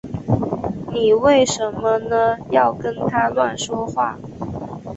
妳为什呢要跟他乱说话